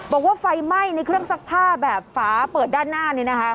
บอกว่าไฟไหม้ในเครื่องซักผ้าแบบฝาเปิดด้านหน้านี้นะคะ